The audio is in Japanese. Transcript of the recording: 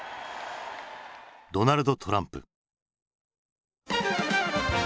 ドナルド・トランプ。